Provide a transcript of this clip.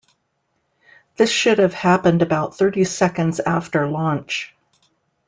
This should have happened about thirty seconds after launch.